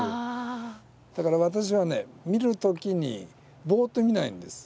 だから私はね見るときにぼっと見ないんです。